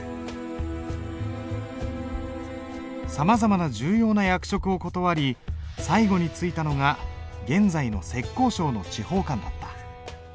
さまざまな重要な役職を断り最後に就いたのが現在の浙江省の地方官だった。